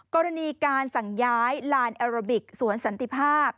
กรณีการสั่งย้ายลานแอโรบิกสวนสันติภาพ